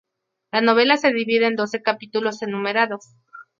La novela se divide en doce capítulos enumerados.